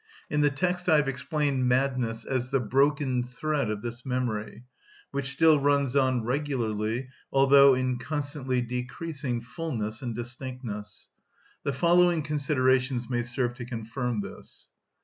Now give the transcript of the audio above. In the text I have explained madness as the broken thread of this memory, which still runs on regularly, although in constantly decreasing fulness and distinctness. The following considerations may serve to confirm this.